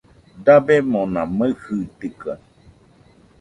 Dabemona maɨjɨitɨkaɨ